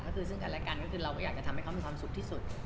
การและการก็คือเราก็อยากจะทำให้เขามีความสุขที่สุด